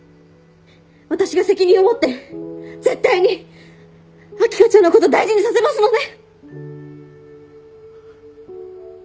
私が責任を持って絶対に秋香ちゃんのこと大事にさせますので。